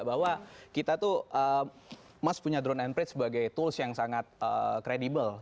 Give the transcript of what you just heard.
bahwa kita tuh mas punya drone and prix sebagai tools yang sangat kredibel